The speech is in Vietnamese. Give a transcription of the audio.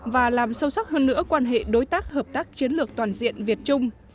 và làm sâu sắc hơn nữa quan hệ đối tác hợp tác chiến lược toàn diện việt trung